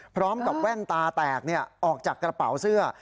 พร้อมกับแว่นตาแตกออกจากกระเป๋าเสื้อ